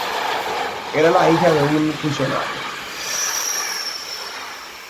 Era la hija de un funcionario.